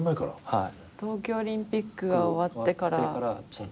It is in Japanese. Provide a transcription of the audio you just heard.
はい？